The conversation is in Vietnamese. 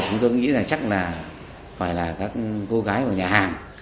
tôi nghĩ là chắc là phải là các cô gái ở nhà hàng